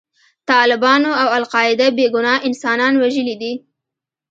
طالبانو او القاعده بې ګناه انسانان وژلي دي.